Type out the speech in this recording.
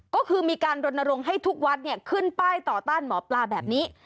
ก็คือมีการรณรงค์ให้ทุกวัดขึ้นป้ายต่อต้านหมอปลาแบบนี้